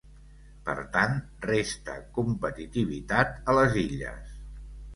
Per tant, resta competitivitat a les Illes.